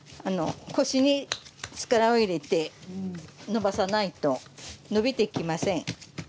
腰に力を入れてのばさないとのびていきません。